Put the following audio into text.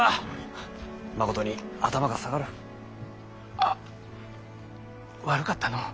あ悪かったのう